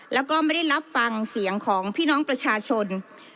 แล้วก็ไม่ได้รับฟังเสียงของพี่น้องประชาชน